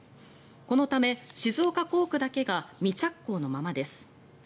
このため静岡工区だけが未着工のままです。